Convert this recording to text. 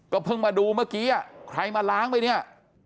เพิ่งมาดูเมื่อกี้ใครมาล้างไปเนี่ย